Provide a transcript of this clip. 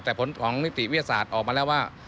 แต่ผลของนิติวิทยาศาสตร์ออกมาแล้วว่า